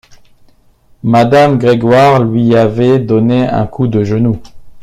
Madame Grégoire lui avait donné un coup de genou.